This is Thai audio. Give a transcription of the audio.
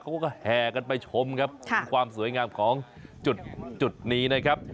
เขาก็แห่กันไปชมครับถึงความสวยงามของจุดนี้นะครับ